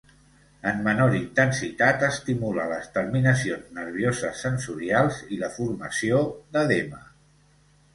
En menor intensitat estimula les terminacions nervioses sensorials i la formació d'edema.